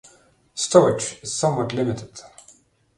Stowage is somewhat limited.